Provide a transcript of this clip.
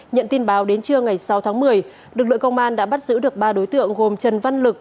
nhận tin báo đến trưa ngày sáu tháng một mươi lực lượng công an đã bắt giữ được ba đối tượng gồm trần văn lực